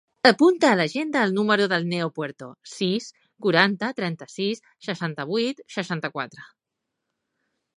Apunta a l'agenda el número del Neo Puerto: sis, quaranta, trenta-sis, seixanta-vuit, seixanta-quatre.